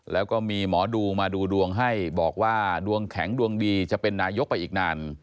แล้วก็มีหมอดูมาดูดวงให้บอกว่าดวงแข็งดวงดีจะเป็นนายกไปอีกนาน